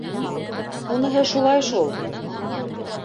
- Уныһы шулай шул.